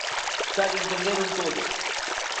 ¡Xa lle entenderon todo!